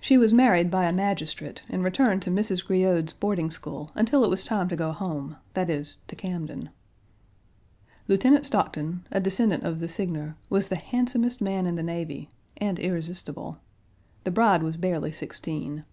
She was married by a magistrate and returned to Mrs. Grillaud's boarding school until it was time to go home that is, to Camden. Lieutenant Stockton (a descendant of the Signer) was the handsomest man in the navy, and irresistible. The bride was barely sixteen.